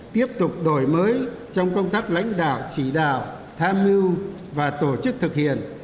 tiếp tục đổi mới trong công tác lãnh đạo chỉ đạo tham mưu và tổ chức thực hiện